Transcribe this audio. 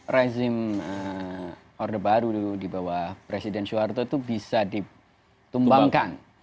rezim orde baru dulu di bawah presiden soeharto itu bisa ditumbangkan